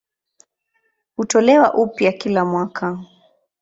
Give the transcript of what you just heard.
Hutolewa upya kila mwaka.